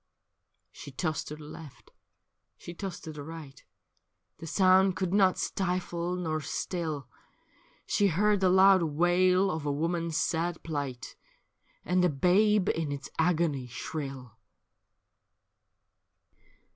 She tossed to the left, she tossed to the right. The sound could not stifle nor still ; She heard the loud wail of a woman's sad pHght, And a babe in its agony shrill.